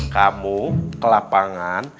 kamu ke lapangan